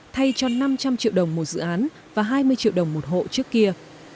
thay cho năm trăm linh triệu đồng một dự án và hai mươi triệu đồng một hộ trước kia